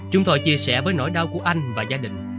chúng tôi chia sẻ với nỗi đau của anh và gia đình